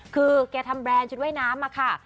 คือแกทำแบรนด์ชุดว่ายน้ำอะค่ะ